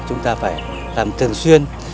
chúng ta phải làm thường xuyên